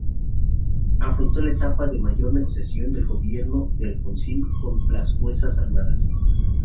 Afrontó la etapa de mayor negociación del gobierno de Alfonsín con las fuerzas armadas.